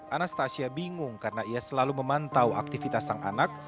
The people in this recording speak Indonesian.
anastasia bingung karena ia selalu memantau aktivitas sang anak